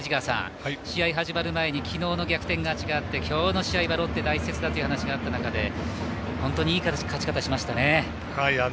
試合が始まる前にきのうの逆転勝ちがあって、きょうの試合はロッテは大切だという話があった中で、本当にいい勝ち方をしましたね。